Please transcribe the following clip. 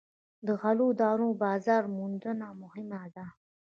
د غلو دانو بازار موندنه مهمه ده.